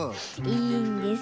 いいんです。